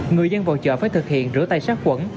người dân vào chợ phải thực hiện rửa tay sát quẩn